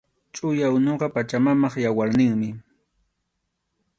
Chʼuya unuqa Pachamamap yawarninmi